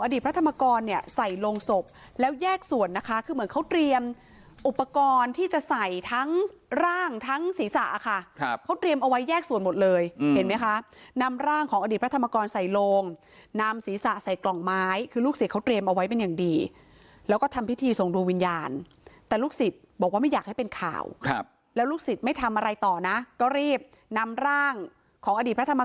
ศีรษะอะค่ะครับเขาเตรียมเอาไว้แยกส่วนหมดเลยเห็นไหมคะนำร่างของอดีตพระธรรมกรใส่ลงนำศีรษะใส่กล่องไม้คือลูกศิษย์เขาเตรียมเอาไว้เป็นอย่างดีแล้วก็ทำพิธีทรงดูวิญญาณแต่ลูกศิษย์บอกว่าไม่อยากให้เป็นข่าวครับแล้วลูกศิษย์ไม่ทำอะไรต่อนะก็รีบนำร่างของอดีต